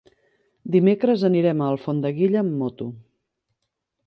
Dimecres anirem a Alfondeguilla amb moto.